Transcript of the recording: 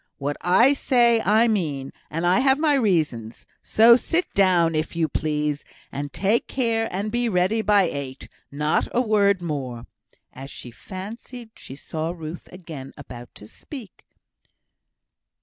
What I say, I mean; and I have my reasons. So sit down, if you please, and take care and be ready by eight. Not a word more," as she fancied she saw Ruth again about to speak.